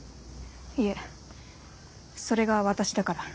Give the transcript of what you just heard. いえそれが私だから。